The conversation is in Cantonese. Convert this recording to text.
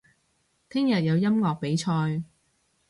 聽日有音樂比賽